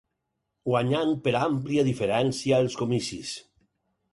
Guanyant per àmplia diferència els comicis.